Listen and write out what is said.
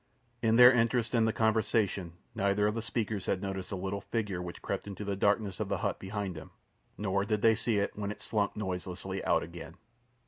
In their interest in the conversation neither of the speakers had noticed the little figure which crept into the darkness of the hut behind them, nor did they see it when it slunk noiselessly out again.